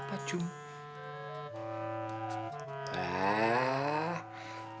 sampai jumpa lagi